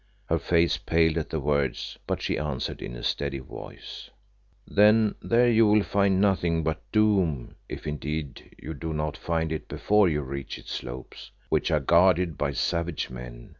Her face paled at the words, but she answered in a steady voice "Then there you will find nothing but doom, if indeed you do not find it before you reach its slopes, which are guarded by savage men.